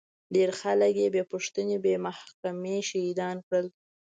ډېر خلک يې بې پوښتنې بې محکمې شهيدان کړل.